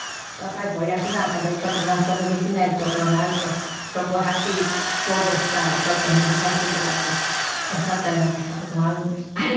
若い頃役なんかでちょっと納得できないところがあるとそこをはっきりこうですからちょっと難しいとかっておっしゃったりなんかした事もあるんですって？